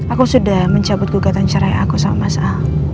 aku sudah mencabut gugatan cerai aku sama mas a